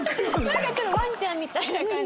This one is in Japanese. なんかちょっとワンちゃんみたいな感じ。